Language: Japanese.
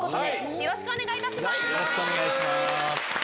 よろしくお願いします。